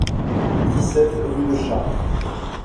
dix-sept rue de Chartres